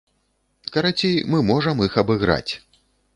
Карацей, мы можам іх абыграць.